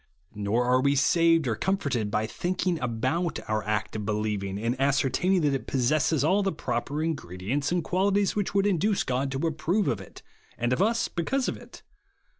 Nor are we saved or comforted by tldnhing about our act of believing and ascertain ing that it possesses all the proper in gredients and qualities which would induce God to approve of it, and of us because of it.